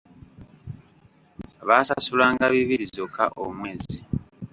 Baasasulanga bibiri zokka omwezi!